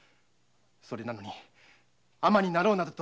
それなのに尼になろうなどとは。